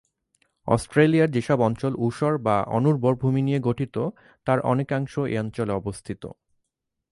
অস্ট্রেলিয়ার যেসব অঞ্চল ঊষর বা অনুর্বর ভূমি নিয়ে গঠিত তার অনেকাংশ এ অঞ্চলে অবস্থিত।